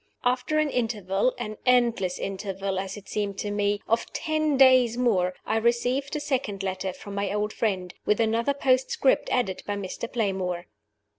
After an interval an endless interval, as it seemed to me of ten days more, I received a second letter from my old friend, with another postscript added by Mr. Playmore.